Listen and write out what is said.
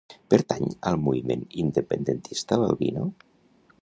Pertany al moviment independentista l'Albino?